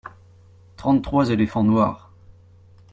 Trente-trois éléphants noirs.